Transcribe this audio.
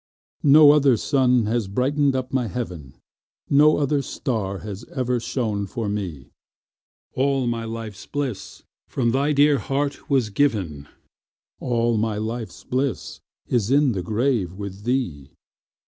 No other sun has brightened up my heaven, No other star has ever shone for me; All my life's bliss from thy dear life was given, All my life's bliss is in the grave with thee.